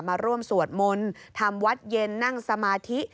มาร่วมสวดมนต์ทำวัดเย็นนั่งสมาธิ